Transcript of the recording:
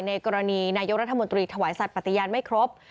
กรณีนายกรัฐมนตรีถวายสัตว์ปฏิญาณไม่ครบ